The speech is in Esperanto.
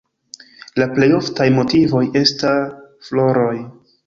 La plej oftaj motivoj esta floroj.